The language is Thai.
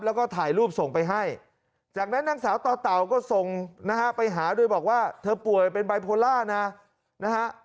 แล้วก็ถ่ายรูปส่งไปให้จากนั้นนางสาวต่อเต่าก็ส่งนะฮะไปหาโดยบอกว่าเธอป่วยเป็นไบโพล่านะนะฮะ